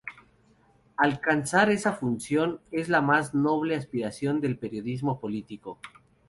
Alcanzar esa función es la más noble aspiración del periodismo político.